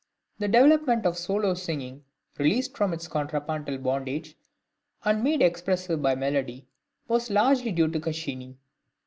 The development of solo singing released from its contrapuntal bondage, and made expressive by melody, was largely due to Caccini.